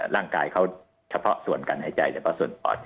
ร่างกายเขาเฉพาะส่วนการหายใจเฉพาะส่วนปอด